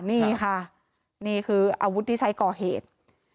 นี่ค่ะนี่คืออาวุธที่ใช้ก่อเหตุ